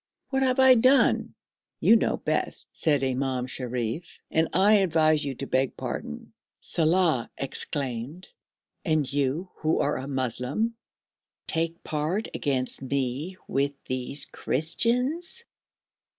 'What have I done?' 'You know best,' said Imam Sharif, 'and I advise you to beg pardon.' Saleh exclaimed, 'And you, who are a Moslem, take part against me with these Christians!'